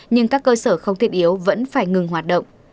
nhưng các cơ sở không thiết yếu vẫn phải ngừng hoạt động